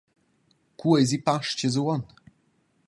Cu eisi Pastgas uonn?